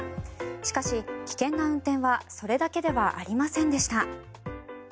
しかし、危険な運転はそれだけではありませんでした。